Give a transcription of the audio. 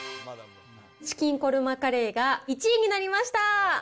チキンコルマカレーが１位になりました。